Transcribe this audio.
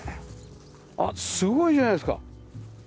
あっすごいじゃないですか。